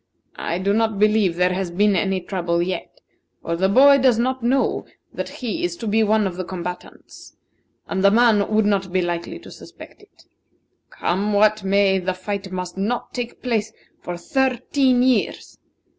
I do not believe there has been any trouble yet, for the boy does not know that he is to be one of the combatants, and the man would not be likely to suspect it. Come what may, the fight must not take place for thirteen years.